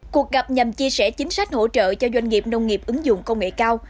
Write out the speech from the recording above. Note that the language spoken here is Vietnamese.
cuộc gặp nhằm chia sẻ chính sách hỗ trợ cho doanh nghiệp nông nghiệp ứng dụng công nghệ cao